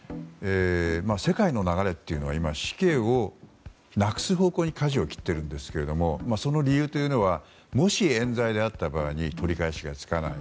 世界の流れというのは死刑をなくす方向にかじを切っているんですけれどもその理由というのはもし、えん罪であった場合に取り返しがつかない。